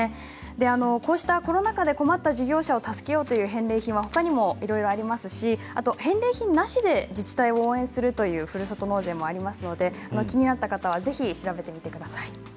こうしたコロナ禍で困った事業者を助けるという返礼品はほかにもいろいろありますし返礼品なしで自治体を応援するというふるさと納税もありますので気になった方はぜひ調べてみてください。